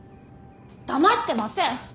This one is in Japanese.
だましてません！